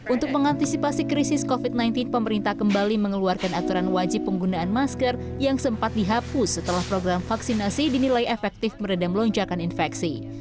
untuk mengantisipasi krisis covid sembilan belas pemerintah kembali mengeluarkan aturan wajib penggunaan masker yang sempat dihapus setelah program vaksinasi dinilai efektif meredam lonjakan infeksi